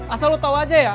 asal lo tahu aja ya